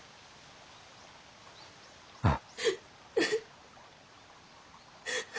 ああ。